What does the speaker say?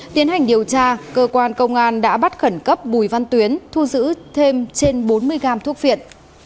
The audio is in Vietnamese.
tiến hành điều tra cơ quan công an đã bắt khẩn cấp bùi văn tuyến thu giữ thêm trên bốn mươi gam thuốc viện